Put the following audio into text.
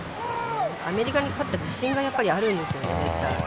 アメリカに勝った自信があるんですよね。